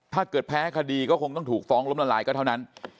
ถ้าเกิดแพ้คดีก็คงต้องถูกฟ้องล้มละลายก็เท่านั้น